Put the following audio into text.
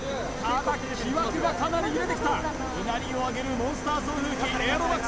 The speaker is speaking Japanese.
ただ木枠がかなり揺れてきたうなりをあげるモンスター送風機エアロ★